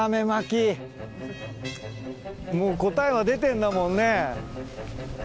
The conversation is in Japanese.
もう答えは出てんだもんね。